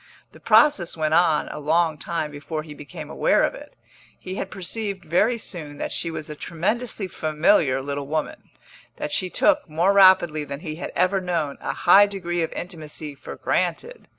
The process went on a long time before he became aware of it. He had perceived very soon that she was a tremendously familiar little woman that she took, more rapidly than he had ever known, a high degree of intimacy for granted.